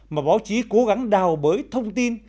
mà báo chí cố gắng đào bới thông tin